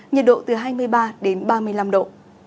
nhiệt độ từ hai mươi ba đến ba mươi năm độ